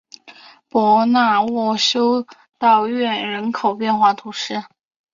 博纳沃修道院人口变化图示